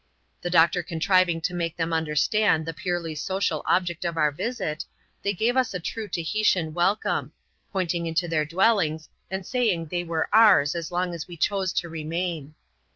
The doctor contriving to make them understand the purely social object of our visit, they gave us a true Tahitian welcome; pointing into their dwellings, and saying they were ours as long as we chose to remain.